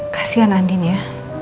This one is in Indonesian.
kasian andin ya